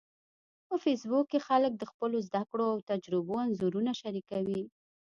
په فېسبوک کې خلک د خپلو زده کړو او تجربو انځورونه شریکوي